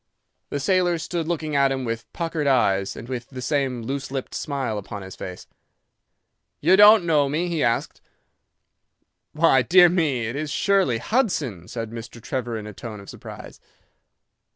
"The sailor stood looking at him with puckered eyes, and with the same loose lipped smile upon his face. "'You don't know me?' he asked. "'Why, dear me, it is surely Hudson,' said Mr. Trevor in a tone of surprise.